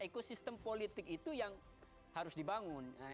ekosistem politik itu yang harus dibangun